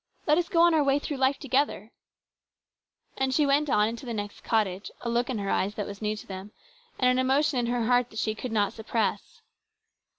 Let us go on our way through life together !" And she went on into the next cottage, a look in her eyes that was new to them and an emotion in her heart that she could not suppress.